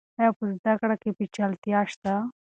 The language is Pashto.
آیا په زده کړه کې پیچلتیا شته؟